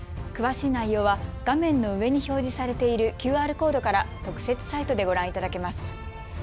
詳しい内容は画面の上に表示されているＱＲコードから特設サイトでご覧いただけます。